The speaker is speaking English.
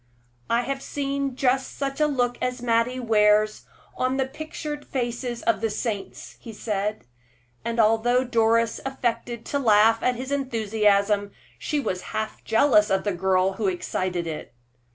"I have seen just such a look as Mattie wears on the pictured faces of the saints," he said; and although Doris affected to laugh at his enthusiasm, she was half jealous of the girl who excited it.